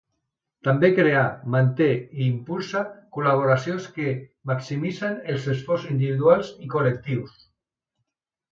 També crea, manté i impulsa col·laboracions que maximitzen els esforços individuals i col·lectius.